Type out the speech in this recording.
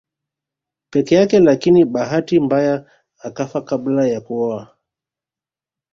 Peke yake lakini bahati mbaya akafa kabla ya kuoa